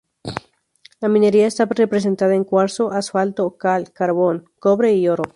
La minería está representada en cuarzo, asfalto, cal, carbón, cobre y oro.